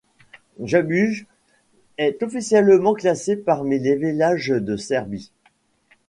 Jabučje est officiellement classé parmi les villages de Serbie.